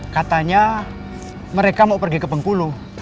katanya mereka mau pergi ke bengkulu